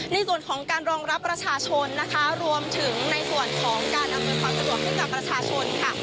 ในส่วนของการรองรับประชาชนนะคะรวมถึงในส่วนของการอำนวยความสะดวกให้กับประชาชนค่ะ